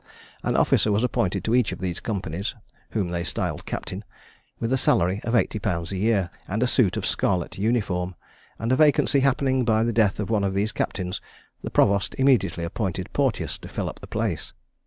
An officer was appointed to each of these companies (whom they styled captain) with a salary of eighty pounds a year, and a suit of scarlet uniform; and a vacancy happening by the death of one of these captains, the provost immediately appointed Porteous to fill up the place.